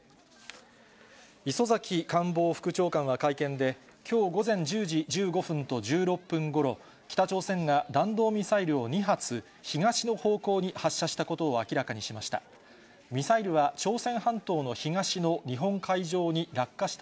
礒崎官房副長官は会見で、きょう午前１０時１５分と１６分ごろ、北朝鮮が弾道ミサイルを２発、東の方向に発射したことを明らかにしました。